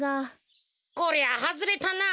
こりゃはずれたな。